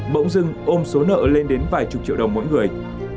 bỗng dưng ôm số nợ lên đến vài chục triệu đồng mỗi người